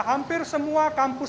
hampir semua kampus